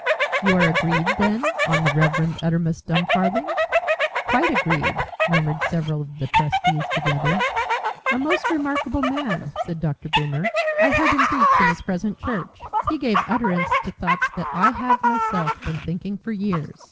"You are agreed, then, on the Reverend Uttermust Dumfarthing?" "Quite agreed," murmured several trustees together. "A most remarkable man," said Dr. Boomer. "I heard him preach in his present church. He gave utterance to thoughts that I have myself been thinking for years.